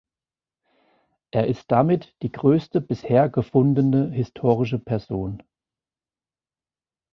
Er ist damit die größte bisher gefundene historische Person.